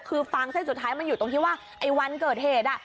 คือฟางเส้นสุดท้ายมันอยู่ตรงที่ว่าไอ้วันเกิดเหตุ